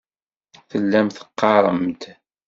Tellam teɣɣarem-d.